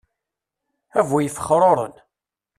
A bu ifexruren!